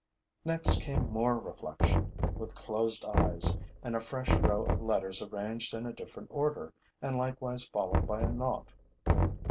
Next came more reflection, with closed eyes, and a fresh row of letters arranged in a different order and likewise followed by a nought.